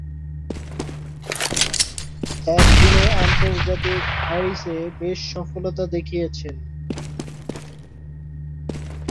একদিনের আন্তর্জাতিকে হ্যারিস বেশ সফলতা দেখিয়েছেন।